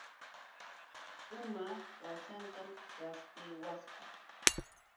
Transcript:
Puma washaatam rapchiwasqa.